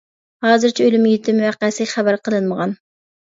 ھازىرچە ئۆلۈم-يېتىم ۋەقەسى خەۋەر قىلىنمىغان.